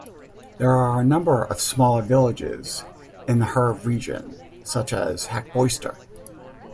There are a number of smaller villages in the Herve region, such as Hacboister.